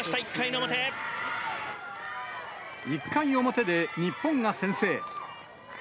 １回表で、日本が先制。